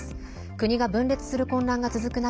国が分裂する混乱が続く中